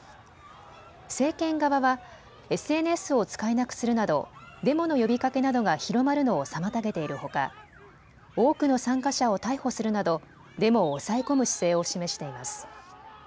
政権側はＳＮＳを使えなくするなどデモの呼びかけなどが広まるのを妨げているほか多くの参加者を逮捕するなどデモを抑え込む姿勢を示しています。